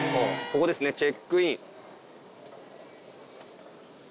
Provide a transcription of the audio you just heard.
ここですね「チェックイン」。